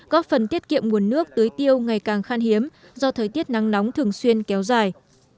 góp phần tiết kiệm nguồn nước tưới tiêu ngày càng khan hiếm do thời tiết nắng nóng thường xuyên kéo dài